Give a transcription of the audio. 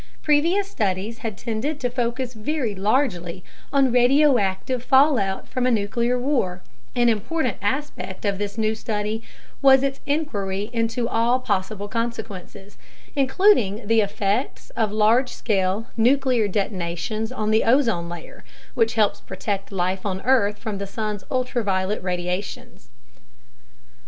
Previous studies had tended to focus very largely on radioactive fallout from a nuclear war; an important aspect of this new study was its inquiry into all possible consequences, including the effects of large scale nuclear detonations on the ozone layer which helps protect life on earth from the sun's ultraviolet radiations.